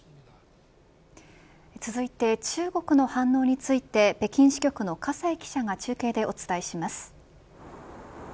続いて中国の反応について北京支局の葛西記者が中継でお伝えします。